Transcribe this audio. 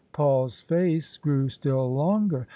Paul's face grew still longer.